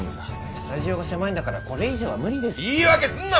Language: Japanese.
スタジオが狭いんだからこれ以上は無理ですよ。